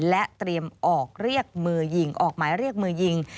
และเตรียมออกเรียกมือยิงออกหมายเรียกมือยิง